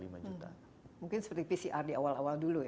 mungkin seperti pcr di awal awal dulu ya